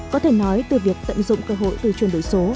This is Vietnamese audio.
có thể nói từ việc tận dụng cơ hội từ chuyển đổi số